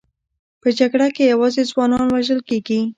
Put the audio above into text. په جګړه کې یوازې ځوانان وژل کېږي